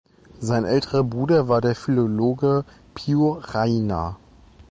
Sein älterer Bruder war der Philologe Pio Rajna.